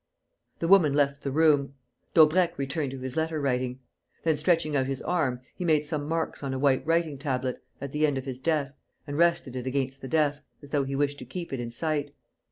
The woman left the room. Daubrecq returned to his letter writing. Then, stretching out his arm, he made some marks on a white writing tablet, at the end of his desk, and rested it against the desk, as though he wished to keep it in sight.